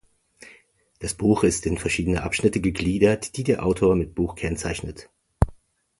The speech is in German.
Das Buch ist in verschiedenen Abschnitte gegliedert, die der Autor mit Buch kennzeichnet.